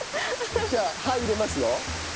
じゃあ葉入れますよ。